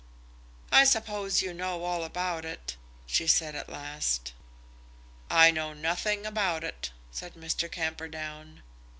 "I suppose you know all about it," she said at last. "I know nothing about it," said Mr. Camperdown.